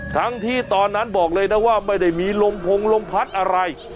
ทั้งที่ตอนนั้นบอกเลยนะว่าไม่ได้มีลมพงลมพัดอะไร